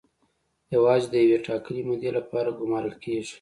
یوازې د یوې ټاکلې مودې لپاره ګومارل کیږي.